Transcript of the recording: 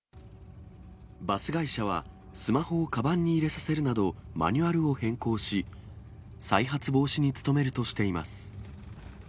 バス会社は、スマホをかばんに入れさせるなど、マニュアルを変更し、再発防止に努めるとしています。